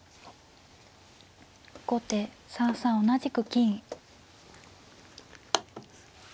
後手３三同じく金。